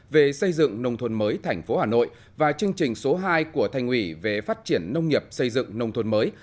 về xây dựng nông thôn mới thành phố hà nội và chương trình số hai của thành ủy về phát triển nông nghiệp xây dựng nông thôn mới